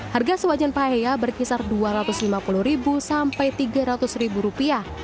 harga sewajan paheya berkisar dua ratus lima puluh sampai tiga ratus rupiah